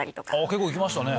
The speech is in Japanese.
結構いきましたね。